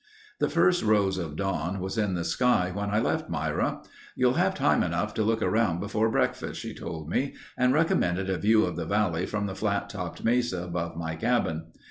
The first rose of dawn was in the sky when I left Myra. "You'll have time enough to look around before breakfast," she told me and recommended a view of the valley from the flat topped mesa above my cabin.